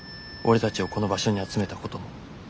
俺たちをこの場所に集めたことも。